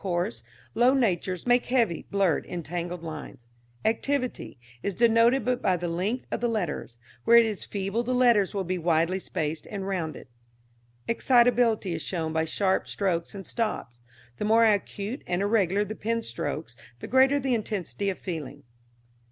Coarse, low natures make heavy blurred entangled lines. Activity is denoted by the length of the letters. Where it is feeble the letters will be widely spaced and rounded. Excitability is shown by sharp strokes and stops. The more acute and irregular the pen strokes the greater the intensity of feeling.